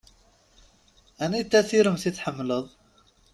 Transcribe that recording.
Anita tiremt i tḥemmleḍ?